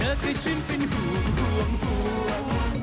อยากมีคนดูแลสุดหน่อยมั้ยฮะ